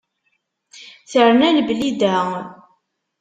Terna Leblida.